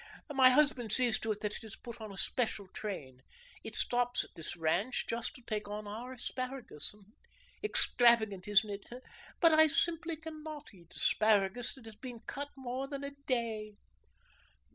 My husband sees to it that it is put on a special train. It stops at this ranch just to take on our asparagus. Extravagant, isn't it, but I simply cannot eat asparagus that has been cut more than a day."